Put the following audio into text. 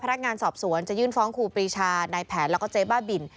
พนักงานสอบสวนจะยื่นฟ้องครูปรีชานายแผนแล้วก็เจ๊บ้าบิน